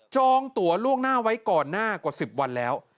องตัวล่วงหน้าไว้ก่อนหน้ากว่า๑๐วันแล้ว